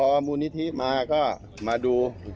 ก็เลยโทรหามูนิธิพอมูนิธิมาก็มาดู